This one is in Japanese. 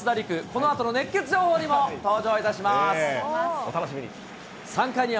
このあとの熱ケツ情報にも登場いお楽しみに。